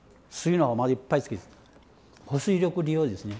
保水力利用ですね。